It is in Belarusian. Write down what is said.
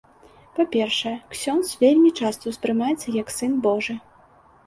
Па-першае, ксёндз вельмі часта ўспрымаецца як сын божы.